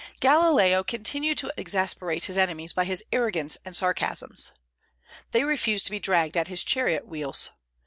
Galileo continued to exasperate his enemies by his arrogance and sarcasms. "They refused to be dragged at his chariot wheels."